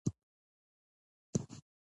ولسي مسؤلیتونه او حل لارې.